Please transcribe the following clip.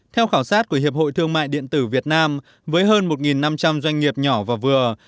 theo khảo sát của hiệp hội thương mại điện tử việt nam với hơn một năm trăm linh doanh nghiệp nhỏ và vừa